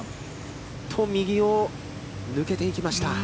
右を抜けていきました。